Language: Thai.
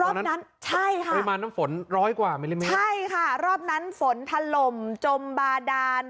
รอบนั้นใช่ค่ะปริมาณน้ำฝนร้อยกว่ามิลลิเมตรใช่ค่ะรอบนั้นฝนถล่มจมบาดาน